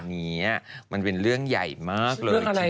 นี่อ่ะมันเป็นเรื่องใหญ่มากเลยทีเดียว